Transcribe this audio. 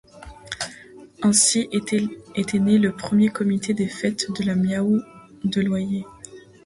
Ainsi était né le premier comité des Fêtes de la Miaou de Loyers.